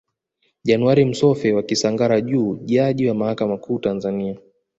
Januari Msofe wa Kisangara Juu Jaji wa mahakama kuu Tanzania